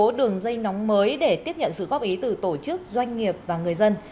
số đường dây nóng mới để tiếp nhận sự góp ý từ tổ chức doanh nghiệp và người dân